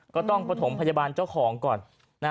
ก็ต้องประถมพยาบาลเจ้าของก่อน